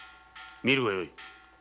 見るがよい